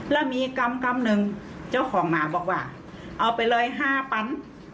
แล้วมีกรรมหนึ่งเจ้าของหมาบอกว่าเอาไปเลย๕๐๐๐บาท